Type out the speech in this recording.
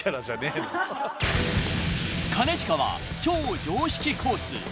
［兼近は超常識コース